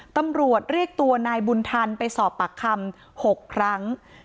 ตำรวจเรียกตัวนายบุญทันไปสอบปากคำ๖ครั้ง